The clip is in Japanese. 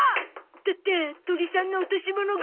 だって鳥さんの落とし物が。